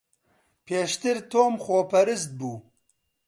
پێشتر تۆم خۆپەرست بوو.